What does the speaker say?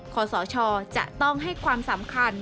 ขอสชจะต้องให้ความสำคัญ